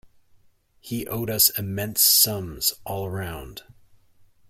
He owed us immense sums all round.